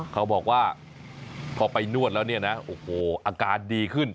เขาบอกว่าพอไปนวดแล้วเนี่ยนะโอ้โหอาการดีขึ้น